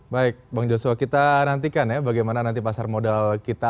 baik bang joshua kita nantikan ya bagaimana nanti pasar modal kita